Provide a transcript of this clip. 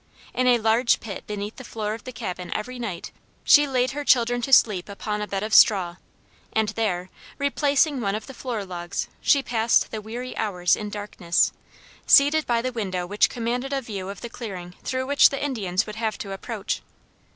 In a large pit beneath the floor of the cabin every night she laid her children to sleep upon a bed of straw, and there, replacing one of the floor logs, she passed the weary hours in darkness, seated by the window which commanded a view of the clearing through which the Indians would have to approach.